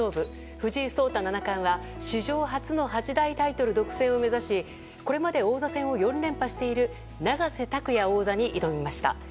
藤井聡太七冠は、史上初の八大タイトル独占を目指しこれまで王座戦を４連覇している永瀬拓矢王座に挑みました。